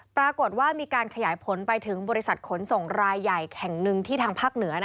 ปรากฏว่ามีการขยายผลไปถึงบริษัทขนส่งรายใหญ่แห่งหนึ่งที่ทางภาคเหนือ